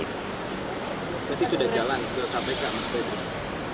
berarti sudah jalan sudah sampai ke amstrad